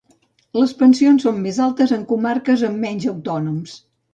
Les pensions són més altes en comarques amb menys autònoms.